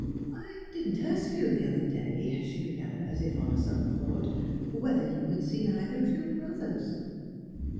"I didn't ask you, the other day," she began, as if on a sudden thought, "whether you had seen either of your brothers."